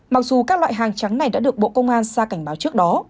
mặc dù các loại hàng trắng này đã được bộ công an ra cảnh báo trước đó